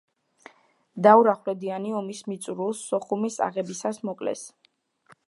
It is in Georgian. დაურ ახვლედიანი ომის მიწურულს, სოხუმის აღებისას მოკლეს.